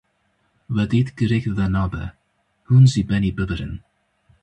We dît girêk venabe, hûn jî benî bibirin.